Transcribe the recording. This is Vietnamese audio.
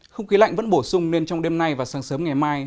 không khí lạnh vẫn bổ sung nên trong đêm nay và sáng sớm ngày mai